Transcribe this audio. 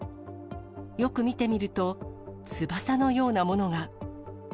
よく見てみると、翼のようなものが。